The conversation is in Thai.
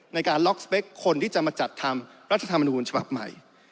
ในการล็อกสเปคคนที่จะมาจัดทำรัฐธรรมนูญฉบับใหม่